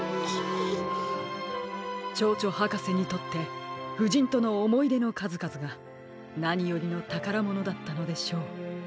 チョウチョはかせにとってふじんとのおもいでのかずかずがなによりのたからものだったのでしょう。